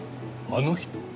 あの人？